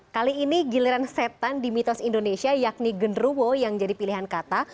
kali ini giliran setan di mitos indonesia yakni genruwo yang jadi pilihan kata